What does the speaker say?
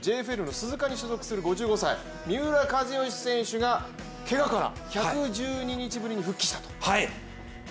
鈴鹿に所属する鈴鹿の三浦知良選手がけがから１１２日ぶりに復帰したと。